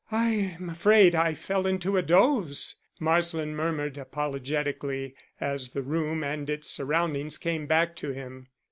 "I am afraid I fell into a doze," Marsland murmured apologetically, as the room and its surroundings came back to him.